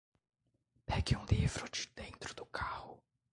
Pegue um livro de dentro do carro